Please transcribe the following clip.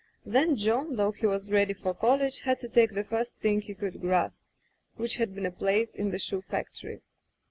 Then John, though he was ready for college, had to take the first thing he could grasp, which had been a place in the shoe factory.